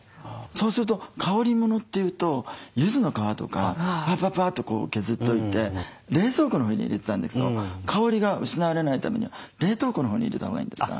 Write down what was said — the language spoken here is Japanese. そうすると香りものっていうとゆずの皮とかパパパッて削っといて冷蔵庫のほうに入れてたんですけど香りが失われないためには冷凍庫のほうに入れたほうがいいんですか？